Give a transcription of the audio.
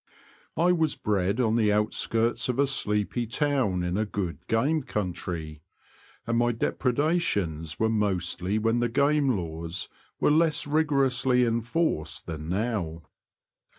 I was bred on the outskirts of a sleepy town in a good game country, and my depre dations were mostly when the Game Laws 8 The Confessions of a Poacher. were less rigorously enforced than now.